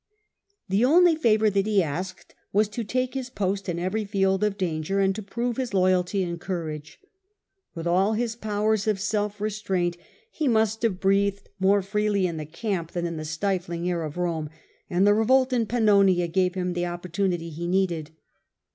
The only favour that he asked was to take his post in every field of danger, and to prove his loyalty and courage. With all his powers Was usually of self restraint he must have breathed more freely in the camp than in the stifling air of the army. Rome, and the revolt in Pannonia gave him the oppor tunity he needed.